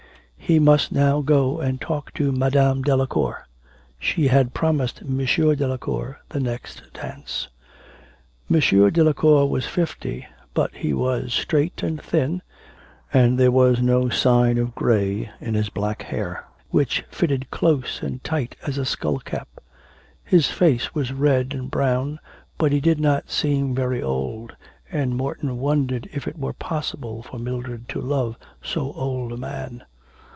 He must now go and talk to Madame Delacour. She had promised M. Delacour the next dance. M. Delacour was fifty, but he was straight and thin, and there was no sign of grey in his black hair, which fitted close and tight as a skull cap. His face was red and brown, but he did not seem very old, and Morton wondered if it were possible for Mildred to love so old a man.